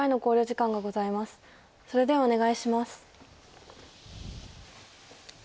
それではお願いします。